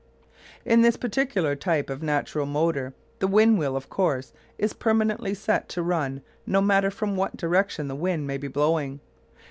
In this particular type of natural motor the wind wheel, of course, is permanently set to run no matter from what direction the wind may be blowing.